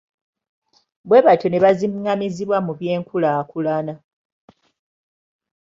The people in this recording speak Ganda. Bwebatyo ne baziŋŋamizibwa mu byenkulaakulana.